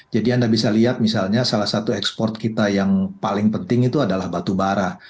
jadi anda bisa lihat misalnya salah satu ekspor kita yang paling penting itu adalah batu bara